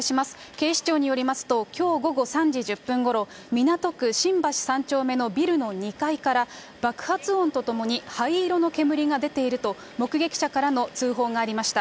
警視庁によりますと、きょう午後３時１０分ごろ、港区新橋３丁目のビルの２階から、爆発音とともに灰色の煙が出ていると、目撃者からの通報がありました。